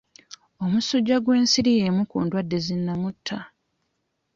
Omusujja gw'ensiri y'emu ku ndwadde zinnamutta.